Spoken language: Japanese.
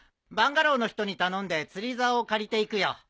バンガローの人に頼んで釣りざおを借りていくよ。